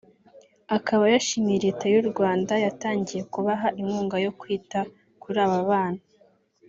Akaba yashimiye Leta y’u Rwanda yatangiye kubaha inkunga yo kwita kuri aba bana